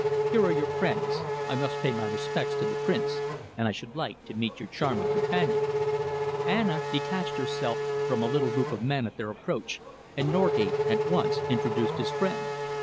Here are your friends. I must pay my respects to the Prince, and I should like to meet your charming companion." Anna detached herself from a little group of men at their approach, and Norgate at once introduced his friend.